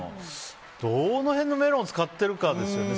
どの辺のメロンを使ってるかですよね。